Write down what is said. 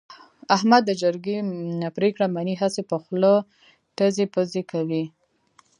احمد د جرگې پرېکړه مني، هسې په خوله ټزې پزې کوي.